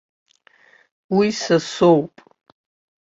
Уи са соуп!